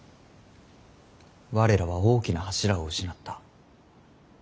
我らは大きな柱を失った。